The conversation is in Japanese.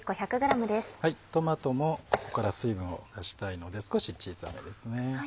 トマトもここから水分を出したいので少し小さめですね。